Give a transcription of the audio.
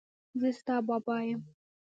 زه ستا بابا یم.